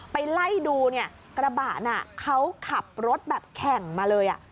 ไปไล่ดูเนี่ยกระบะน่ะเขาขับรถแบบแข่งมาเลย